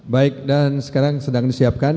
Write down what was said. baik dan sekarang sedang disiapkan